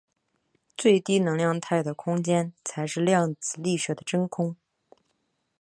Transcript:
最低能量态的空间才是量子力学的真空。